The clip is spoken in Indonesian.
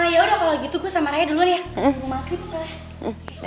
yaudah kalau gitu gue sama rai dulu nih ya ke rumah sakit soalnya